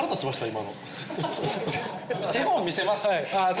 今の手本見せます！